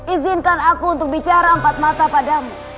izinkan aku untuk bicara empat mata padamu